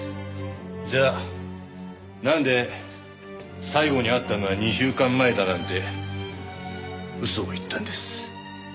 じゃあなんで最後に会ったのは２週間前だなんて嘘を言ったんです？